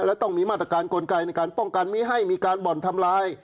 และต้องมีมาตรการกลไกในการป้องกันไม่ให้มีการบ่อนทำลาย